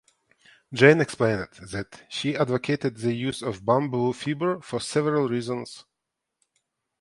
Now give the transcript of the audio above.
Jain explained that she advocated the use of bamboo fibre for several reasons.